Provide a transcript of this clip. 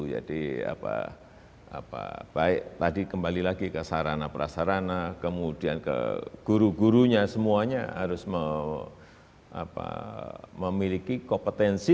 apa baik tadi kembali lagi ke sarana prasarana kemudian ke guru gurunya semuanya harus memiliki kompetensi